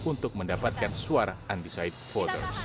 untuk mendapatkan suara undecided voters